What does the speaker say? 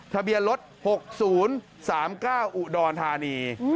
ทะเบียนรถ๖๐๓๙อุดรธานี